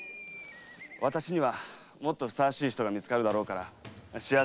「私にはもっとふさわしい人がみつかるだろうから幸せに」と。